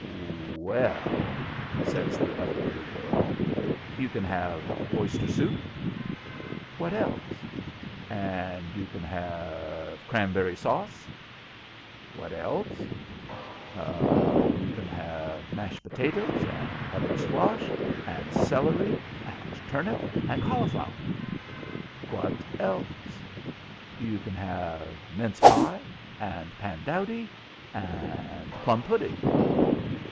"Well," says the other little girl, "you can have oyster soup." "What else?" "And you can have cranberry sauce." "What else?" "You can have mashed potatoes, and Hubbard squash, and celery, and turnip, and cauliflower." "What else?" "You can have mince pie, and pandowdy, and plum pudding."